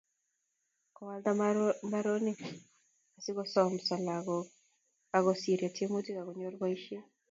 Koalda mbaronik asikosomonso lagok akosiryo tiemutik akonyor boisiet